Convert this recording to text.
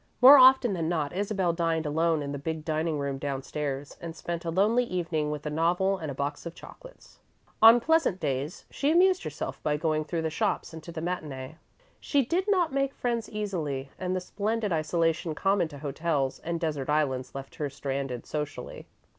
More often than not, Isabel dined alone in the big dining room downstairs, and spent a lonely evening with a novel and a box of chocolates. On pleasant days, she amused herself by going through the shops and to the matinee. She did not make friends easily and the splendid isolation common to hotels and desert islands left her stranded, socially.